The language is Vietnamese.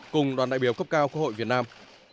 cùng đoàn đại biểu cấp cao quốc hội việt nam